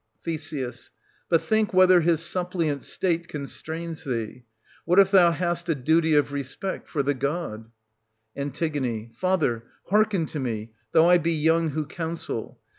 Th. But think whether his suppliant state con strains thee: what if thou hast a duty of respect for 1 180 the god ? An. Father, hearken to me, though I be young who counsel.